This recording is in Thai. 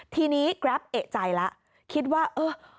ทีนี้แกร็ปเอ๋ะใจล่ะคิดว่าเอ๊ะ